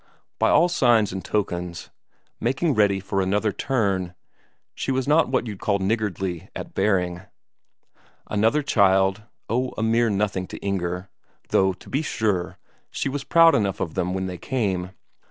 By all signs and tokens, making ready for another turn; she was not what you'd call niggardly at bearing. Another child oh, a mere nothing to Inger! Though, to be sure, she was proud enough of them when they came.